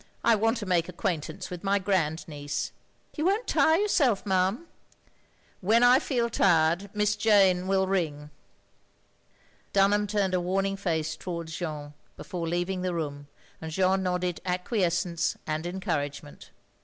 I want to make ac quaintance with my grand niece." "You won't tire yourself, ma'am?" "When I feel tir^, Miss Jane will ring." Dunham turned a warning face towards Jeanne, before leaving the room, and Jeanne nodded acquiescence and encotu agement.